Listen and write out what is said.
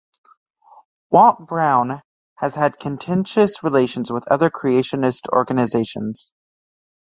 Walt Brown has had contentious relations with other creationist organizations.